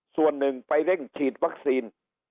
ส่วนหนึ่งไปเร่งฉีดวัคซีน